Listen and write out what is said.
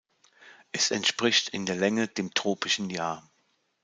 Es entspricht in der Länge dem "Tropischen Jahr".